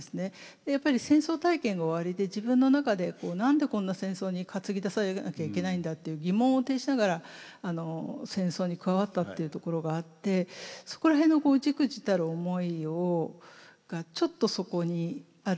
でやっぱり戦争体験がおありで自分の中で何でこんな戦争に担ぎ出されなきゃいけないんだっていう疑問を呈しながら戦争に加わったっていうところがあってそこら辺の忸怩たる思いをちょっとそこにあるのかな。